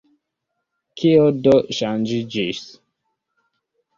Kio do ŝanĝiĝis?